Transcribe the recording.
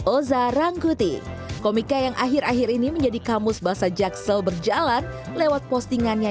oza rangkuti komika yang akhir akhir ini menjadi kamus bahasa jaksel berjalan lewat postingannya